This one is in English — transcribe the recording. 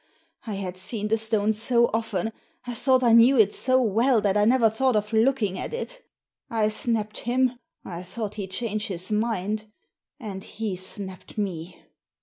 I had seen the stone so often, I thought I knew it so well, that I never thought of looking at it I snapped him — I thought he'd change his mind — and he's snapped me."